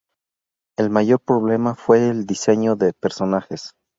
El mayor problema fue el diseño de personajes.